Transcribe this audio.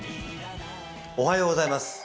おはようございます。